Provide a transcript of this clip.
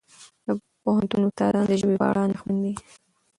د پوهنتون استادان د ژبې په اړه اندېښمن دي.